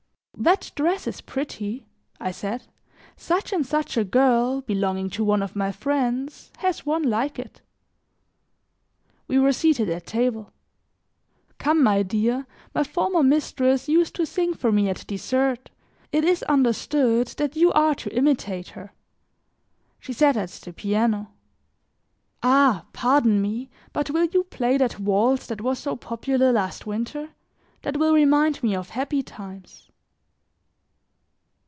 "That dress is pretty," I said, "such and such a girl, belonging to one of my friends, has one like it." We were seated at table. "Come, my dear, my former mistress used to sing for me at dessert; it is understood that you are to imitate her." She sat at the piano. "Ah! pardon me, but will you play that waltz that was so popular last winter; that will remind me of happy times."